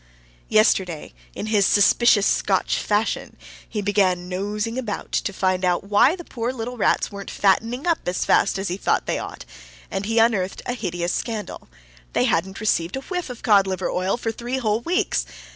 Yesterday, in his suspicious Scotch fashion, he began nosing about to find out why the poor little rats weren't fattening up as fast as he thought they ought, and he unearthed a hideous scandal. They haven't received a whiff of cod liver oil for three whole weeks!